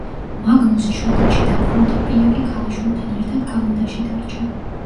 მაგნუსი შვედეთში დაბრუნდა, პია კი ქალიშვილთან ერთად კანადაში დარჩა.